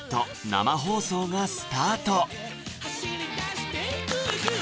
生放送がスタート